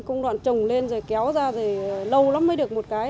công đoạn trồng lên rồi kéo ra rồi lâu lắm mới được một cái